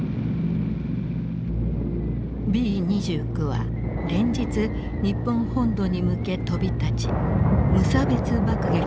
Ｂ２９は連日日本本土に向け飛び立ち無差別爆撃を続けた。